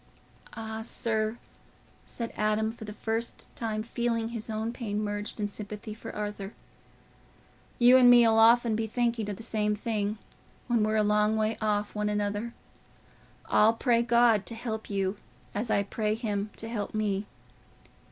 "Ah, sir," said Adam, for the first time feeling his own pain merged in sympathy for Arthur, "you and me'll often be thinking o' the same thing, when we're a long way off one another. I'll pray God to help you, as I pray him to help me."